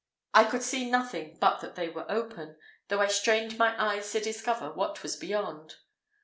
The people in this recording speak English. I could see nothing, but that they were open, though I strained my eyes to discover what was beyond.